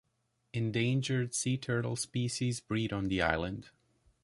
Endangered sea turtle species breed on the island.